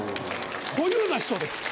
小遊三師匠です。